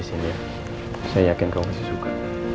dimakan di abisin ya saya yakin kau masih suka